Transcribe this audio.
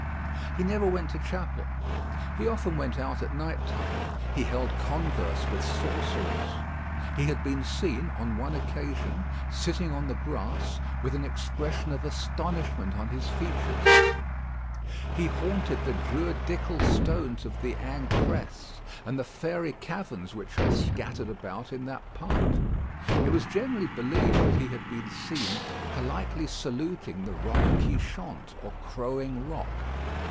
He never went to chapel. He often went out at night time. He held converse with sorcerers. He had been seen, on one occasion, sitting on the grass with an expression of astonishment on his features. He haunted the druidical stones of the Ancresse, and the fairy caverns which are scattered about in that part. It was generally believed that he had been seen politely saluting the Roque qui Chante, or Crowing Rock.